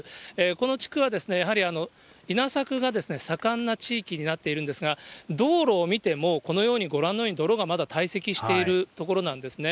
この地区はやはり稲作が盛んな地域になっているんですが、道路を見ても、このように、ご覧のように泥がまだ堆積している所なんですね。